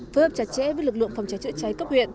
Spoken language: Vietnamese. phối hợp chặt chẽ với lực lượng phòng cháy chữa cháy cấp huyện